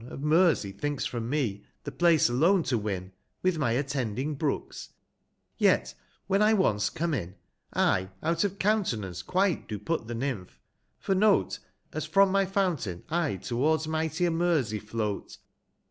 Of Mersey thinks from me, the place alone to win, 45 "With my attending brooks, yet when I once come in, I out of count'nance quite do put the Nymph, for note, As from my fountain I tow'rds mightier Mersey float.